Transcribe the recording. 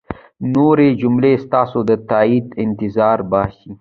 نورې جملې ستاسو د تایید انتظار باسي.